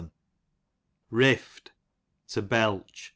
Rill, to belch' J.